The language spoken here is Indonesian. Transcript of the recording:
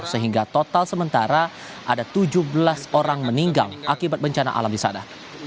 sehingga total sementara ada tujuh belas orang meninggal akibat bencana alam di sana